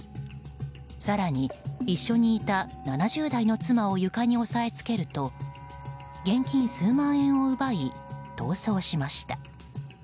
更に、一緒にいた７０代の妻を床に押さえつけると現金数万円を奪い逃走しました。